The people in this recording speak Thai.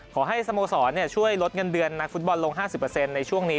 สโมสรช่วยลดเงินเดือนนักฟุตบอลลง๕๐ในช่วงนี้